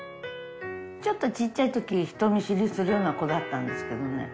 ちょっと小っちゃいとき、人見知りするような子だったんですけどね。